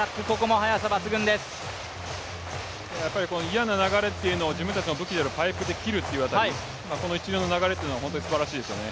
嫌な流れっていうのを自分たちの武器のパイプで切るという、この一連の流れというのはすばらしいですよね。